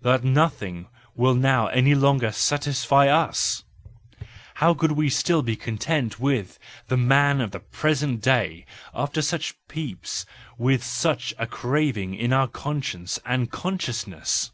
that nothing will now any longer satisfy us ! How could we still be content with the man of the present day after such peeps, and with such a craving in our conscience and consciousness